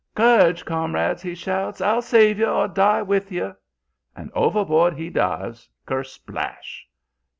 "'Courage, comrades!' he shouts. 'I'll save you or die with you!' "And overboard he dives, 'kersplash!'